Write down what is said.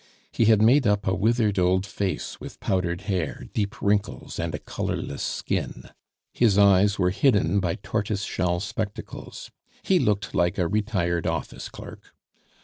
He had made up a withered old face with powdered hair, deep wrinkles, and a colorless skin. His eyes were hidden by tortoise shell spectacles. He looked like a retired office clerk.